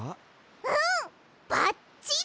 うんばっちり！